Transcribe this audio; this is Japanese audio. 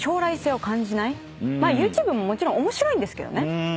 ＹｏｕＴｕｂｅももちろん面白いんですけどね。